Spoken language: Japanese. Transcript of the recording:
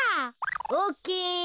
オッケー。